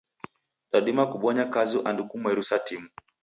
Dadima kubonya kazi andu kumweri sa timu.